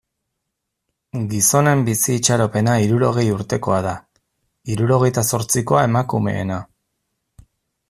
Gizonen bizi itxaropena hirurogei urtekoa da, hirurogeita zortzikoa emakumeena.